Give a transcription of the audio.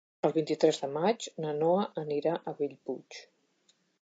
El vint-i-tres de maig na Noa anirà a Bellpuig.